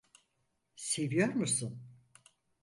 Seviyor musun?